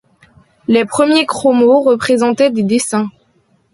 Les premiers chromos représentaient des dessins.